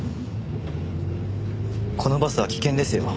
このバスは危険ですよ。